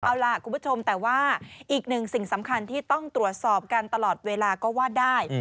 เอาล่ะคุณผู้ชมแต่ว่าอีกหนึ่งสิ่งสำคัญที่ต้องตรวจสอบกันตลอดเวลาก็ว่าได้